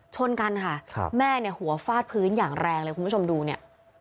ชนกันค่ะแม่เนี่ยหัวฟาดพื้นอย่างแรงเลยคุณผู้ชมดูเนี่ย